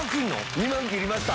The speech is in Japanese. ２万切りました。